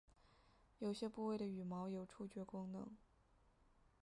有些部位的羽毛有触觉功能。